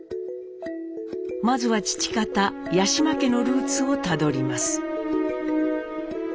まずは父方八嶋家のルーツをたどります。